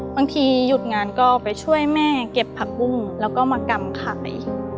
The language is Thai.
บางทีหยุดงานก็ไปช่วยแม่เก็บผักบุ้งแล้วก็มากำขาย